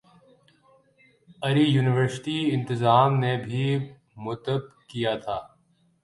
اری یونیورسٹی انتظام نے بھی متب کیا تھا